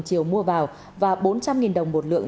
chiều mua vào và bốn trăm linh đồng một lượng